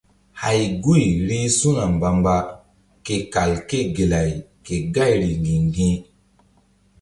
Hay guy rih su̧na mbamba ke kal ké gelay ke gayri ŋgi̧-ŋgi̧.